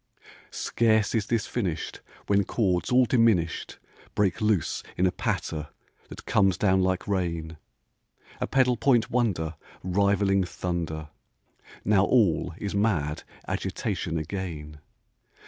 Scarce is this finished When chords all diminished Break loose in a patter that comes down like rain, A pedal point wonder Rivaling thunder. Now all is mad agitation again.